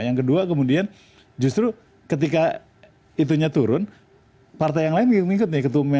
yang kedua kemudian justru ketika itunya turun partai yang lain ikut nih